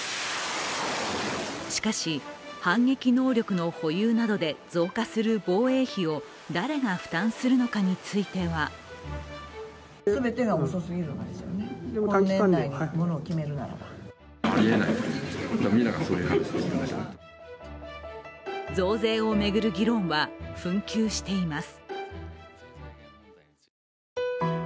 しかし、反撃能力の保有などで増加する防衛費を誰が負担するのかについては増税を巡る議論は紛糾しています。